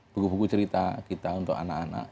buku buku cerita kita untuk anak anak